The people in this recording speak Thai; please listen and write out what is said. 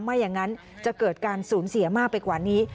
ไม่อย่างนั้นจะเกิดการสูญเสียมากไปกว่านี้